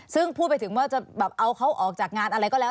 ซึ่งพูดไปถึงว่าจะแบบเอาเขาออกจากงานอะไรก็แล้ว